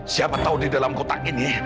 siapa tahu di dalam kotak ini